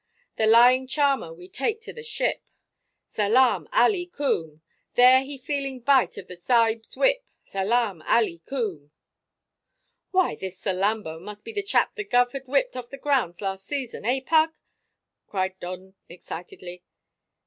The lying charmer we take to the ship, Salaam, Alii kum! There he feeling bite of the sahib's whip, Salaam, Alii kum!" "Why, this Salambo must be the chap the guv had whipped off the grounds last season, eh, Pug?" cried Don excitedly.